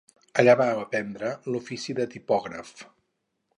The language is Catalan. Allà va aprendre l'ofici de tipògraf.